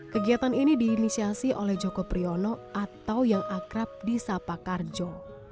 kegiatan ini diinisiasi oleh joko priyono atau yang akrab di sapa karjo